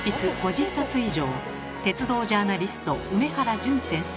鉄道ジャーナリスト梅原淳先生。